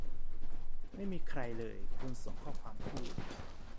ไม่มีใครเลย คนส่งข้อความพูด